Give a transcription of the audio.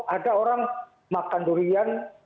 ada orang makan durian